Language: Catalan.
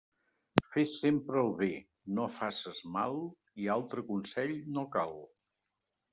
Fes sempre el bé, no faces mal i altre consell no cal.